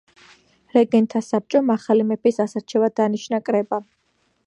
რეგენტთა საბჭომ ახალი მეფის ასარჩევად დანიშნა კრება.